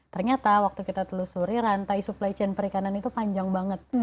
ternyata waktu kita telusuri rantai supply chain perikanan itu panjang banget